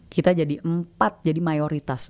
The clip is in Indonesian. kita jadi empat jadi mayoritas